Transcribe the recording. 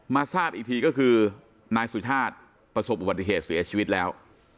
ทราบอีกทีก็คือนายสุชาติประสบอุบัติเหตุเสียชีวิตแล้ว